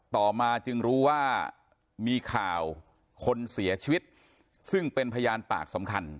ต่อมาจึงรู้ว่ามีข่าวคนเสียชีวิตซึ่งเป็นพยานปากสำคัญ